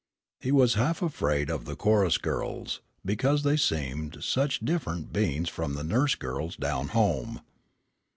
He was half afraid of the chorus girls, because they seemed such different beings from the nurse girls down home.